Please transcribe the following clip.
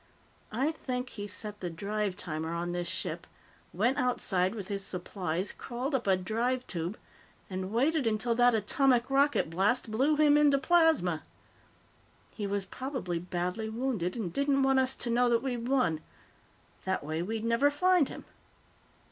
I think he set the drive timer on this ship, went outside with his supplies, crawled up a drive tube and waited until that atomic rocket blast blew him into plasma. He was probably badly wounded and didn't want us to know that we'd won. That way, we'd never find him."